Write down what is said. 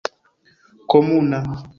komuna